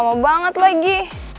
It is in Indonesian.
udah lama banget lagi